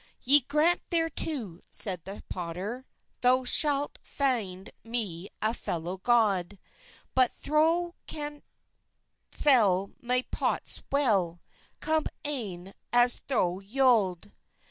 "Y grant therto," seyde the potter, "Thow schalt feynde me a felow gode; But thow can sell mey pottes well, Come ayen as thow yode."